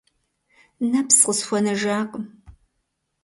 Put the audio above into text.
Нэпс къысхуэнэжакъым.